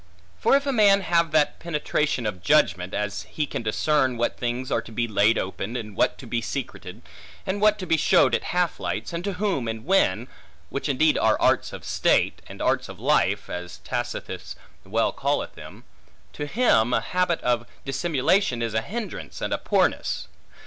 For if a man have that penetration of judgment, as he can discern what things are to be laid open, and what to be secreted, and what to be showed at half lights, and to whom and when (which indeed are arts of state, and arts of life, as Tacitus well calleth them), to him, a habit of dissimulation is a hinderance and a poorness.